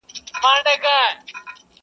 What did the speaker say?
و غزل ته مي الهام سي ستا غزل غزل خبري